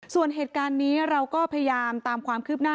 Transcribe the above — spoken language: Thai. ส่วนเหตุการณ์นี้เราก็พยายามตามความคืบหน้า